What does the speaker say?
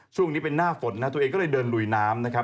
ช่วงนี้เป็นหน้าฝนนะตัวเองก็เลยเดินลุยน้ำนะครับ